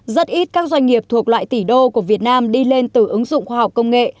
rất ít các doanh nghiệp thuộc loại tỷ đô của việt nam đi lên từ ứng dụng khoa học công nghệ